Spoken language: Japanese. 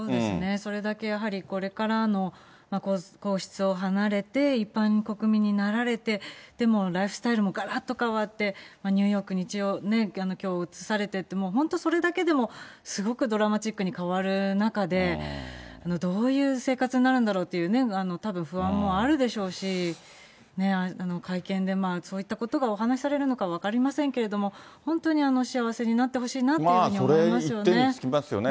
それだけやはりこれからの皇室を離れて一般国民になられて、でも、ライフスタイルもがらっと変わって、ニューヨークに一応、居を移されてって、もう本当、それだけでも、すごくドラマチックに変わる中で、どういう生活になるんだろうっていう、たぶん、不安もあるでしょうし、会見でそういったことがお話しされるのかは分かりませんけれども、本当にお幸せになってほしいなっていうふうに思いますよね。